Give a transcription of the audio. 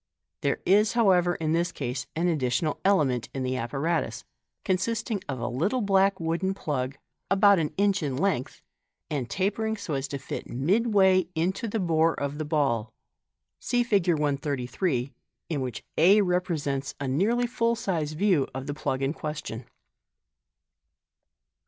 There is, however, in this case an additional element in the apparatus, consist ing of a little black wooden plug, about an inch in length, and tapering so as to fit midway in the bore of the ball. (See Fig. 133, in which a represents a nearly full sized view of the plug in question.)